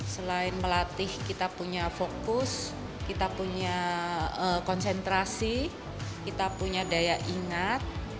selain melatih kita punya fokus kita punya konsentrasi kita punya daya ingat